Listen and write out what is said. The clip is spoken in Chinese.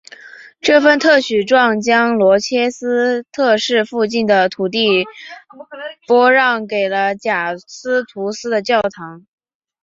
这份特许状将罗切斯特市附近的土地拨让给了贾斯图斯的教堂。